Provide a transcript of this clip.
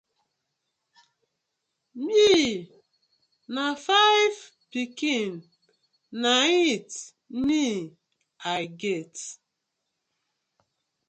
Mi na fiv pikin na it me I get.